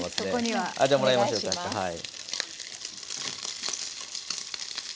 はい。